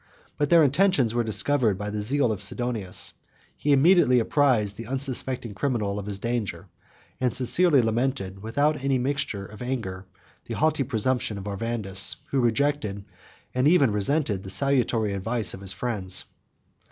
But their intentions were discovered by the zeal of Sidonius. He immediately apprised the unsuspecting criminal of his danger; and sincerely lamented, without any mixture of anger, the haughty presumption of Arvandus, who rejected, and even resented, the salutary advice of his friends.